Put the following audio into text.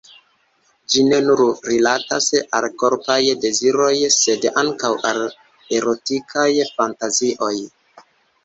Ĝi ne nur rilatas al korpaj deziroj, sed ankaŭ al erotikaj fantazioj.